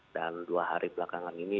dan dua hari belakangan ini